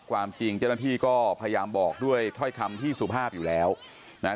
ความจริงเจ้าหน้าที่ก็พยายามบอกด้วยถ้อยคำที่สุภาพอยู่แล้วนะฮะ